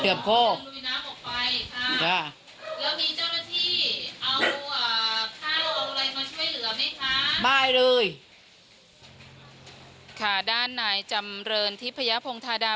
พี่เอาอ่าข้าวอะไรมาช่วยเหลือไหมคะไม่เลยค่ะด้านนายจำเรินทิพยาพงธาดา